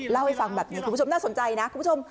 เล่าให้ฟังแบบนี้คุณผู้ชมน่าสนใจนะคุณผู้ชม